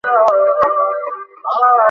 তোর সন্তানের জীবন তোর কাছে মূল্যবান।